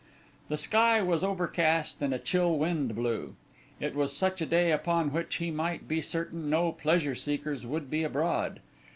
The sky was overcast and a chill wind blew; it was such a day upon which he might be certain no pleasure seekers would be abroad.